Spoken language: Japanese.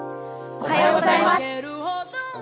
おはようございます。